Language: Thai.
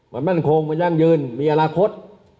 มันมั่นคงมันยั่งยืนมีอนาคต